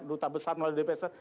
ruta besar melalui dpr